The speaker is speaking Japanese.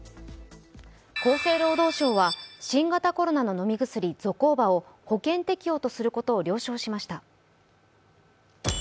厚生労働省は新型コロナの飲み薬、ゾコーバを保険適用とすることを了承しました。